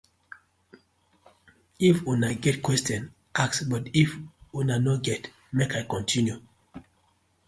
If una get question, ask but if una no get, mek I continue.